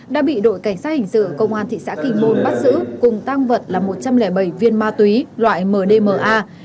đã bị đội cảnh sát hình sự công an thị xã kinh môn bắt giữ cùng tăng vật là một trăm linh bảy viên ma túy loại mdma